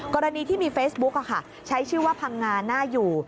กรณีที่มีเฟซบุ๊กใช้ชื่อว่าพังงาน่าอยู่